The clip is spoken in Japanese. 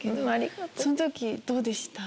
その時にどうでした？